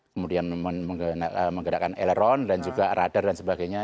kemudian menggerakkan aleron dan juga radar dan sebagainya